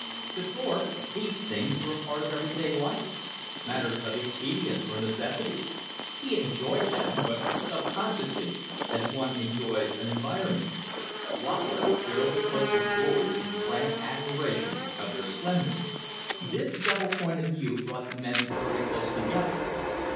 To Thorpe these things were a part of everyday life; matters of expedient or necessity. He enjoyed them, but subconsciously, as one enjoys an environment. Wallace trailed the cloak of his glories in frank admiration of their splendor. This double point of view brought the men very close together.